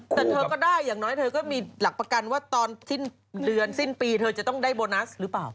แต่เธอก็ได้อย่างน้อยเธอก็มีหลักประกันว่าตอนสิ้นเดือนสิ้นปีเธอจะต้องได้โบนัสหรือเปล่า